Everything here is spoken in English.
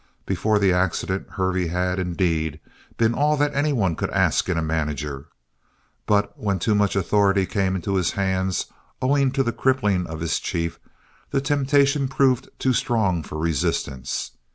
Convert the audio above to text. Before the accident Hervey had, indeed, been all that anyone could ask in a manager. But when too much authority came into his hands owing to the crippling of his chief, the temptation proved too strong for resistance.